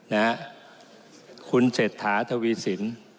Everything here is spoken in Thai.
นะครับคุณเศรษฐาทวีศิลป์